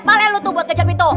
palen lu tuh buat ganjal pintu